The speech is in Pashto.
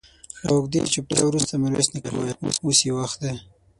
له اوږدې چوپتيا وروسته ميرويس نيکه وويل: اوس يې وخت دی.